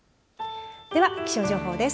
では気象情報です。